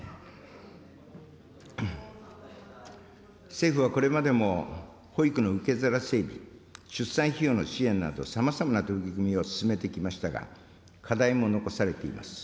政府はこれまでも保育の受け皿整備、出産費用の支援など、さまざまな取り組みを進めてきましたが、課題も残されています。